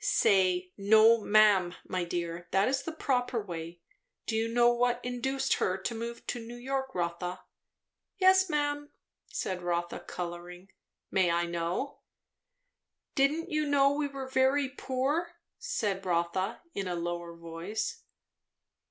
"Say, 'No ma'am,' my dear. That is the proper way. Do you know what induced her to move to New York, Rotha?" "Yes, ma'am," said Rotha colouring. "May I know?" "Didn't you know we were very poor?" said Rotha in a lower voice.